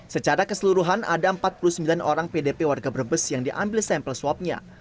secara keseluruhan ada empat puluh sembilan orang pdp warga brebes yang diambil sampel swabnya